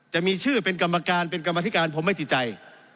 จะมีชื่อเป็นกรรมการเป็นกรรมธิการผมไม่ติดใจ